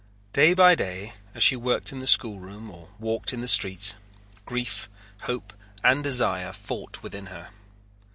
Day by day as she worked in the schoolroom or walked in the streets, grief, hope, and desire fought within her.